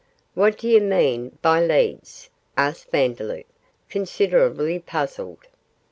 'What do you mean by leads?' asked Vandeloup, considerably puzzled.